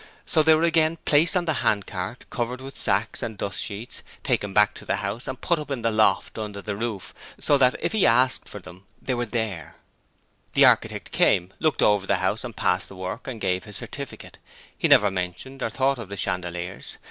So they were again placed on the handcart, covered with sacks and dust sheets, taken back to the house and put up in the loft under the roof so that, if he asked for them, there they were. The architect came, looked ever the house, passed the work, and gave his certificate; he never mentioned or thought of the chandeliers.